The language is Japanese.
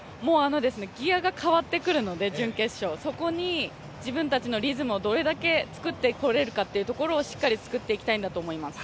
ギアが変わってくるので準決勝、そこに自分たちのリズムをどれだけ作ってこれるかというところをしっかり作っていきたいんだと思います。